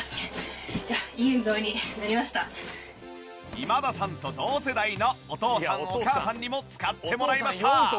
今田さんと同世代のお父さんお母さんにも使ってもらいました。